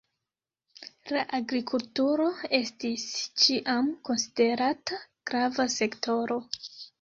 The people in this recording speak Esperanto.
La agrikulturo estis ĉiam konsiderata grava sektoro.